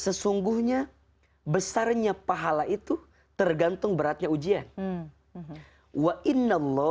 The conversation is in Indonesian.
sesungguhnya besarnya pahala itu tergantung beratnya ujian